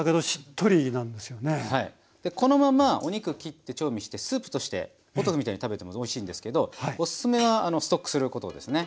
このままお肉切って調味してスープとしてポトフみたいに食べてもとてもおいしいんですけどおすすめはストックすることですね。